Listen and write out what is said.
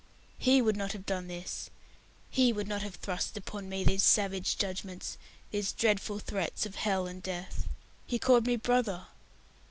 "He would not have done this? He would not have thrust upon me these savage judgments, these dreadful threats of Hell and Death. He called me 'Brother'!"